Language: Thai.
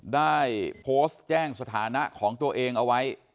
ได้โพสต์แจ้งสถานะของตัวเองเอาไว้